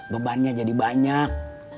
bebannya jadi banyak